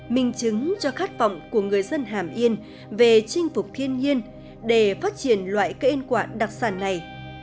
minh chứng cho khát vọng của người dân hàm yên về chinh phục thiên nhiên để phát triển loại cây ăn quả đặc sản này